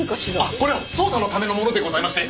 あっこれは捜査のためのものでございまして。